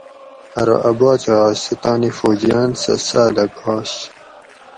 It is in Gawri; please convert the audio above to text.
ارو اۤ باچہ آش سہۤ تانی فوجیاۤن سہۤ ساۤلہ گاش